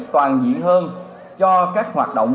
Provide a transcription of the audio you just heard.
toàn diện hơn cho các hoạt động